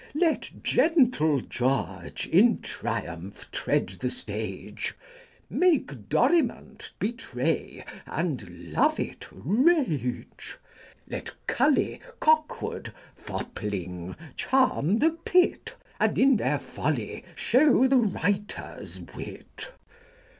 150 Let gentle George 2 in triumph tread the stage, Make Dorimant betray, and Loveit rage ; Let Cully, Cockwood, Fopling, charm the pit, And in their folly show the writer's w T it.